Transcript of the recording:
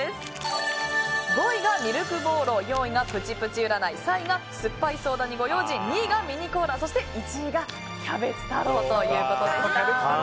５位がミルクボーロ４位がプチプチうらない３位が、すっぱいソーダにご用心２位がミニコーラそして１位がキャベツ太郎。